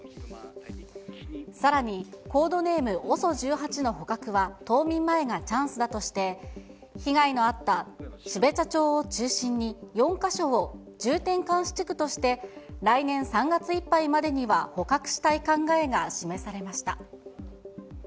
さらにコードネームＯＳＯ１８の捕獲は冬眠前がチャンスだとして、被害のあった標茶町を中心に、４か所を重点監視地区として来年３月いっぱいまでには捕獲したい考えが示されました。